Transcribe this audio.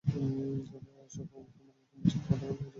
তবে অশোক কুমার এখন পর্যন্ত হত্যাকাণ্ডে যুক্ত থাকার কথা স্বীকার করেননি।